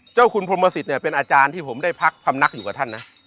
เจ้าคุณพรหมสิตเป็นอาจารย์ที่ผมได้พักคำนักอยู่กับท่าน